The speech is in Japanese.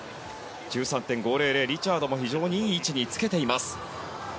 １３．５００、リチャードも非常にいい位置につけています。